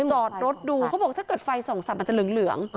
จอดรถดูเขาบอกถ้าเกิดไฟส่องสับมันจะเหลือง